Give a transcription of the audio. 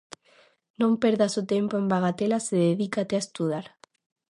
Non perdas o tempo en bagatelas e dedícate a estudar.